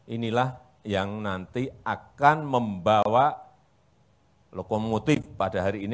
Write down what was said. inilah yang nanti akan membawa lokomotif pada hari ini